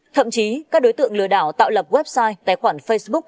thậm chí các đối tượng lừa đảo tạo lập website tài khoản facebook